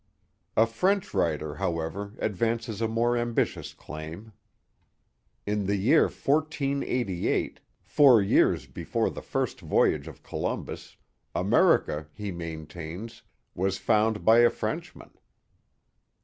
A French writer, however, advances a more ambitious The Mohawks 13 claim. In the year 1488, four years before the first voyage of Columbus, America, he maintains, was found by a French man.